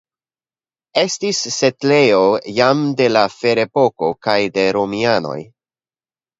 Estis setlejo jam de la Ferepoko kaj de romianoj.